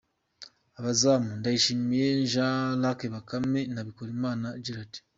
Abazamu:Ndayishimiye Jean Luc Bakame na Bikorimana Gerald ;.